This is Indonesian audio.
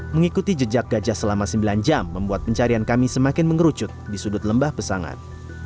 mengikuti jejak gajah selama sembilan jam membuat pencarian kami semakin mengerucut di sudut lembah pesanan